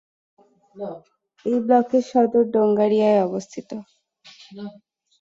এই ব্লকের সদর ডোঙ্গাড়িয়ায় অবস্থিত।